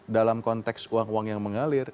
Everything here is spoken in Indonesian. dalam konteks uang uang yang mengalir